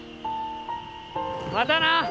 またな！